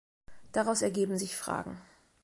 Daraus ergeben sich Fragen.